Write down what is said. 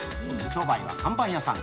商売は看板屋さん。